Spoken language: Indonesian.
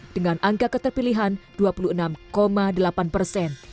dengan angka keterpilihan dua puluh enam delapan persen